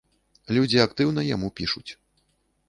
Людзі актыўна яму пішуць.